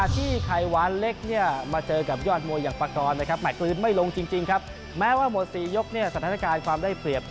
แต่ว่าเยี่ยมมาเยอะที่๕นะครับ